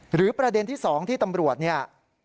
หรือประเด็นที่สองที่ตำรวจเนี่ย